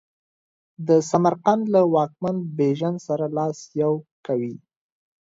د سمرقند له واکمن بیژن سره لاس یو کوي.